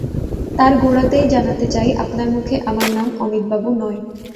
তার গোড়াতেই জানাতে চাই আপনার মুখে আমার নাম অমিতবাবু নয়।